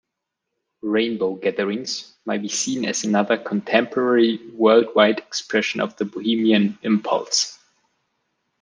Rainbow Gatherings may be seen as another contemporary worldwide expression of the bohemian impulse.